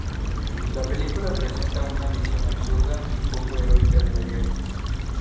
La película presenta una visión absurda y poco heroica de la guerra.